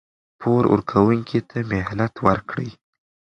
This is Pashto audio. پور ورکوونکي ته مهلت ورکړئ.